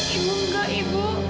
ibu enggak ibu